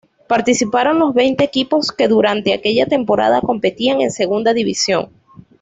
Participaron los veinte equipos que durante aquella temporada competían en Segunda División.